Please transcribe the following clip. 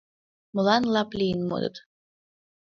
Молан лап лийын модыт?..